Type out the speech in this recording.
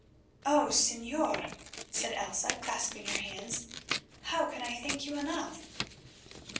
"Oh! Señor," said Elsa, clasping her hands, "how can I thank you enough?"